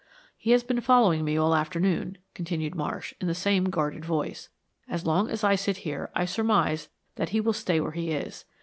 "He has been following me all the afternoon," continued Marsh, in the same guarded voice. "As long as I sit here I surmise that he will stay where he is.